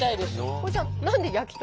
これじゃあへえ！